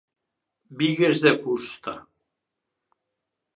Bigues de fusta.